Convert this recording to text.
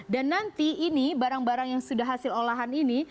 dan nanti ini barang barang yang sudah hasil olahan ini